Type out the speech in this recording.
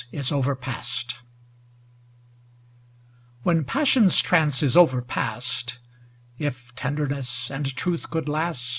Posthumous When passion's trance is overpast, If tenderness and truth could last.